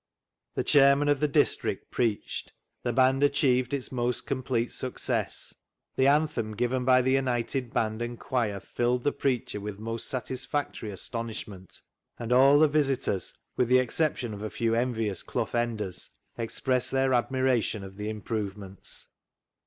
The Chairman of the District preached. The band achieved its most complete success. The anthem given by the united band and choir filled the preacher with most satisfactory astonishment, and all the visitors, with the exception of a few envious Clough Enders, expressed their admiration of the improvements.